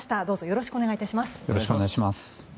どうぞよろしくお願い致します。